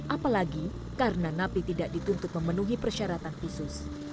apalagi karena napi tidak dituntut memenuhi persyaratan khusus